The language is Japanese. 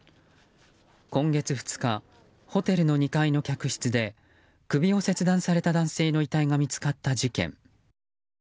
今月２日、ホテルの２階の客室で首を切断された男性の遺体が見つかった事件。